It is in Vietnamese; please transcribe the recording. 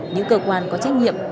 những cơ quan có trách nhiệm